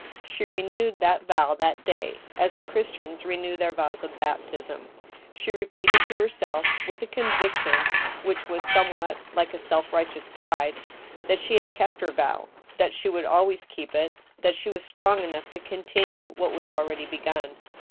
She renewed that vow that day, as Christians renew their vows of baptism. She repeated to herself, with a conviction which was somewhat like self righteous pride, that she had kept her vow ; that she would always keep it ; that she was strong enough to con tinue what was already begun.